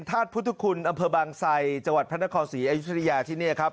ธาตุพุทธคุณอำเภอบางไซจังหวัดพระนครศรีอยุธยาที่นี่ครับ